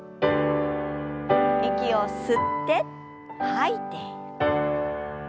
息を吸って吐いて。